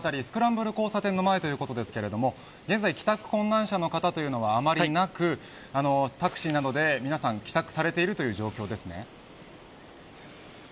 スクランブル交差点の前ということですが現在、帰宅困難者の方はあまりなくタクシーなどで、皆さん帰宅されているそうですね。